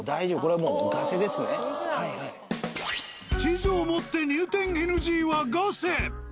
「地図を持って入店ＮＧ」はガセ。